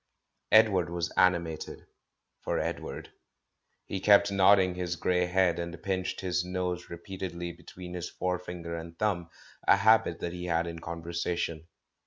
Edward was animated — for Edward. He kept nodding his grey head, and pinched his nose re peatedly between his forefinger and thumb, a habit that he had in conversation.